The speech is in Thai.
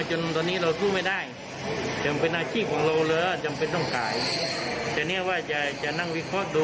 จะทำยังไงให้ราคาได้นะ